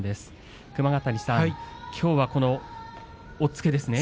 熊ヶ谷さん、きょうは押っつけですね。